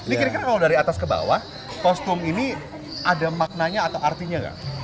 ini kira kira kalau dari atas ke bawah kostum ini ada maknanya atau artinya nggak